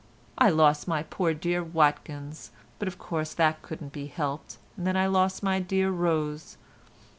I lost my poor dear Watkins, but of course that couldn't be helped, and then I lost my dear Rose.